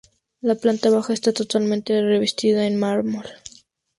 La planta baja está totalmente revestida en mármol.